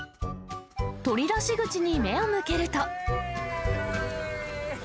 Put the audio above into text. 取り出し口に目を向けると。